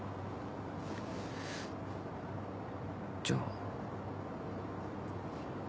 じゃあ。